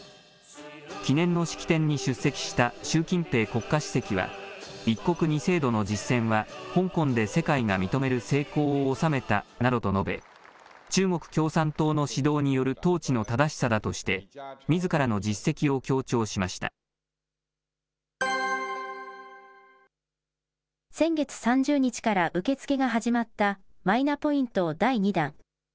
記念の式典に出席した習近平国家主席は、一国二制度の実践は、香港で世界が認める成功を収めたなどと述べ、中国共産党の指導による統治の正しさだとして、みずからの実績を先月３０日から受け付けが始まったマイナポイント第２弾。